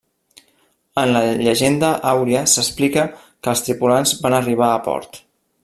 En la llegenda àuria s’explica que els tripulants van arribar a port.